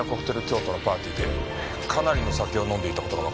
京都のパーティーでかなりの酒を飲んでいた事がわかった。